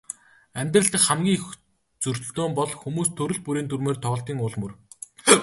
Амьдрал дахь хамгийн их зөрөлдөөн бол хүмүүс төрөл бүрийн дүрмээр тоглодгийн ул мөр.